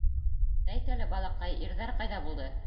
— Әйт әле, балаҡай, ирҙәр ҡайҙа булды?